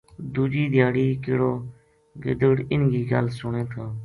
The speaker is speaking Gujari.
دوجی دھیاڑی کہیڑو گدڑ اِنھ کی گل سنے تھو